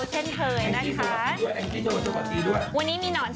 เพื่อนขาต่อมาพูดโรครับ